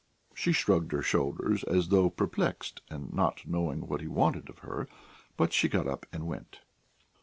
She shrugged her shoulders, as though perplexed and not knowing what he wanted of her, but she got up and went.